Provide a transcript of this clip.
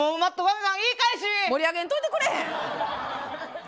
盛り上げんといてくれへん？